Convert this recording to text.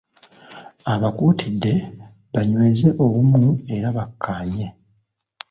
Abakuutidde banyweze obumu era bakkaanye.